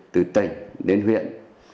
từ tỉnh đến huyện